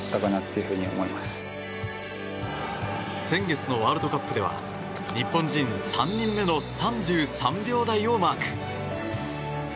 先月のワールドカップでは日本人３人目の３３秒台をマーク。